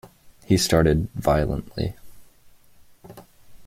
He started violently.